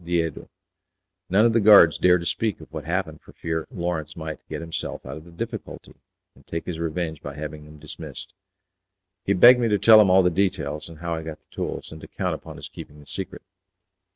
Diedo. None of the guards dare to speak of what happened for fear Lawrence might get himself out of the difficulty, and take his revenge by having them dismissed." He begged me to tell him all the details, and how I got the tools, and to count upon his keeping the secret.